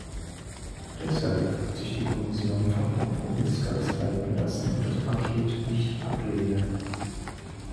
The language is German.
Deshalb wird sich die Kommission vom Kompromissgeist leiten lassen und das Paket nicht ablehnen.